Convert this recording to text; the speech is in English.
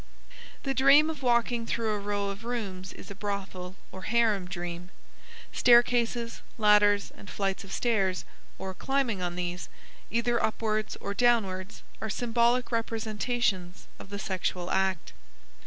The dream of walking through a row of rooms is a brothel or harem dream. Staircases, ladders, and flights of stairs, or climbing on these, either upwards or downwards, are symbolic representations of the sexual act.